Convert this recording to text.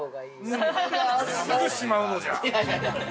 ◆すぐしまうのじゃ。